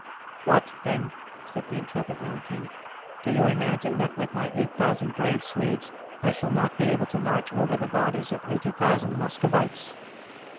"What, then!" said the intrepid young king, "do you imagine that with my eight thousand brave Swedes I shall not be able to march over the bodies of eighty thousand Muscovites?"